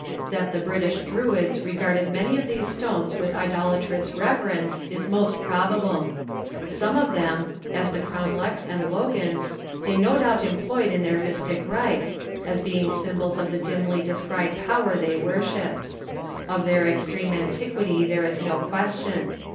That the British Druids regarded many of these stones with idolatrous reverence, is most probable. Some of them, as the cromlechs and logans, they no doubt employed in their mystic rites, as being symbols of the dimly descried Power they worshipped. Of their extreme antiquity there is no question.